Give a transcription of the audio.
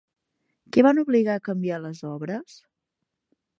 Què van obligar a canviar les obres?